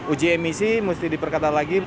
uji emisi mesti diperkata lagi